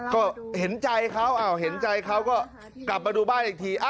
ก็เห็นใจเขาเห็นใจเขาก็กลับมาดูบ้านอีกที